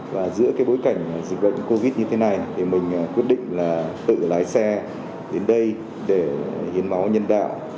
và giữa bối cảnh dịch bệnh covid như thế này mình quyết định tự lái xe đến đây để hiến máu nhân đạo